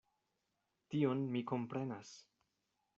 Tion mi komprenas.